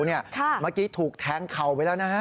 เมื่อกี้ถูกแทงเข่าไปแล้วนะฮะ